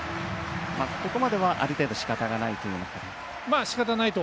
ここまではある程度しかたがないと？